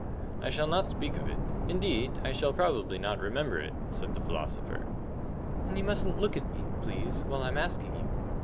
"I shall not speak of it; indeed, I shall probably not remember it," said the philosopher. "And you mustn't look at me, please, while I'm asking you."